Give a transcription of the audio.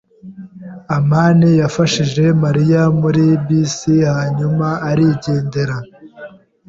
amani yafashije Mariya muri bisi, hanyuma arigendera.